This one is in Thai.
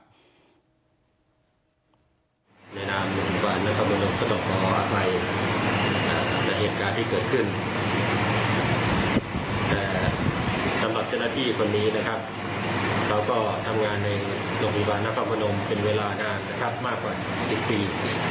ปรุงแก้ไขต่อไปมากกว่า๑๐ปี